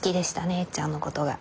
えっちゃんのことが。